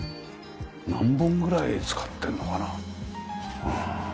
何本ぐらい使ってんのかな？